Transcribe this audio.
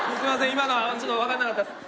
今のはちょっと分かんなかったっす。